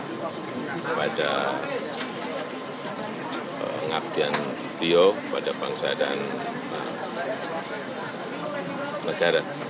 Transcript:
kepada pengabdian beliau kepada bangsa dan negara